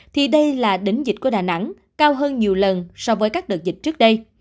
thì đây là đỉnh dịch của đà nẵng cao hơn nhiều lần so với các đợt dịch trước đây